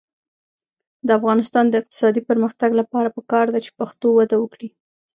د افغانستان د اقتصادي پرمختګ لپاره پکار ده چې پښتو وده وکړي.